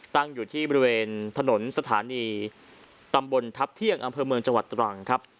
ตั้งอยู่ที่บริเวณถนนสถานีตำบลทัพเที่ยงอำเภอเมืองจังหวัดตรังครับ